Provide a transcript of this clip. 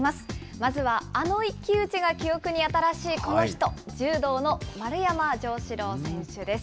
まずはあの一騎打ちが記憶に新しい、この人、柔道の丸山城志郎選手です。